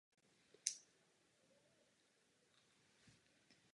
Syn Adolf pak otcův podnik převzal.